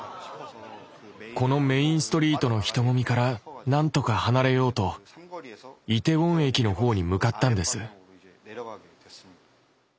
このメインストリートの人混みから何とか離れようとイテウォン駅の方に向かったんです。